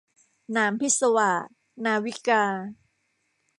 หนามพิศวาส- นาวิกา